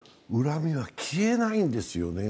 その恨みが消えないんですよね。